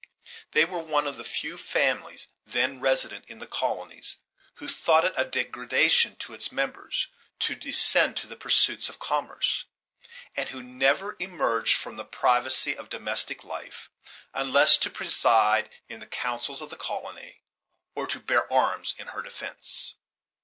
They were one of the few families then resident in the colonies who thought it a degradation to its members to descend to the pursuits of commerce; and who never emerged from the privacy of domestic life unless to preside in the councils of the colony or to bear arms in her defense.